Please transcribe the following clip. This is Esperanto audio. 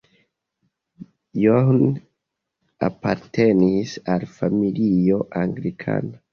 John apartenis al familio anglikana.